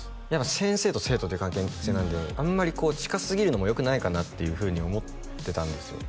先生と生徒っていう関係性なんであんまり近すぎるのもよくないかなっていうふうに思ってたんですよ